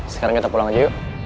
sekarang kita pulang aja yuk